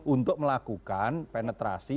untuk melakukan penetrasi